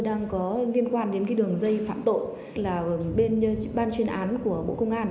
đang có liên quan đến cái đường dây phạm tội là bên ban chuyên án của bộ công an